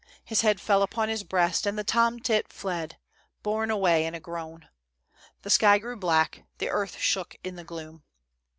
His head fell upon his breast, and the tom tit fled, borne away in a groan. The sky grew black, the earth shook in the gloom.